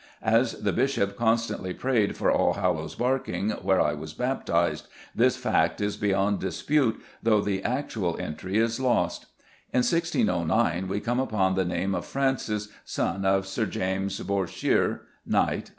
As the Bishop constantly prayed for Allhallows Barking, "where I was baptised," this fact is beyond dispute though the actual entry is lost. In 1609 we come upon the name of Francis, son of Sir James Bourchier, Knt.